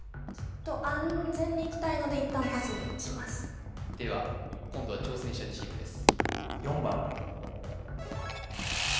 安全にいきたいので一旦パスしますでは今度は挑戦者チームです